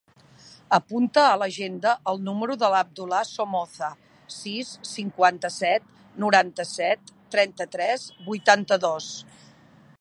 Apunta a l'agenda el número de l'Abdullah Somoza: sis, cinquanta-set, noranta-set, trenta-tres, vuitanta-dos.